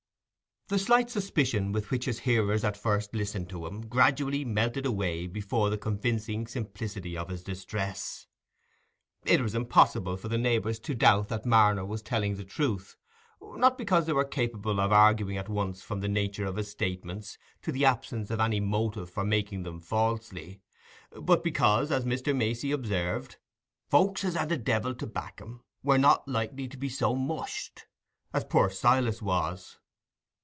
The slight suspicion with which his hearers at first listened to him, gradually melted away before the convincing simplicity of his distress: it was impossible for the neighbours to doubt that Marner was telling the truth, not because they were capable of arguing at once from the nature of his statements to the absence of any motive for making them falsely, but because, as Mr. Macey observed, "Folks as had the devil to back 'em were not likely to be so mushed" as poor Silas was.